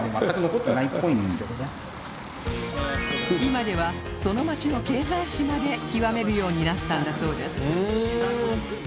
今ではその街の経済史まで究めるようになったんだそうです